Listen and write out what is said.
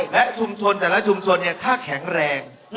และแต่ละชุมชนเนี่ยถ้าแข็งแรง